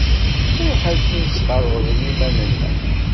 Ruḥ akin tesxerbeḍ liman-nneɣ.